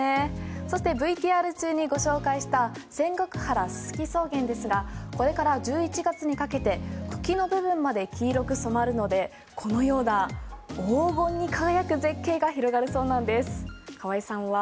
そしてＶＴＲ中にご紹介した仙石原、ススキ草原ですがこれから１１月にかけて茎の部分まで黄色く染まるのでこのような黄金に輝く絶景が広がるそうなんです。